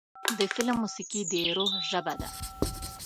د فلم موسیقي د روح ژبه ده.